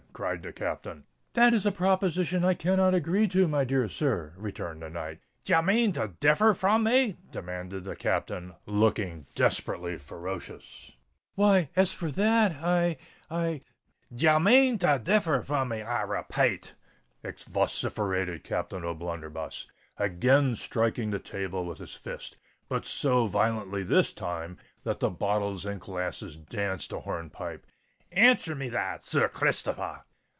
cried the Captain. "That is a proposition I cannot agree to, my dear sir," returned the knight. "D' ye mane to differ from me?" demanded the Captain, looking desperately ferocious. "Why—as for that—I—I——" "D' ye mane to differ from me, I repate?" vociferated Captain O'Blunderbuss, again striking the table with his fist, but so violently this time that the bottles and glasses danced a hornpipe: "answer me that, Sir r Christopher r!"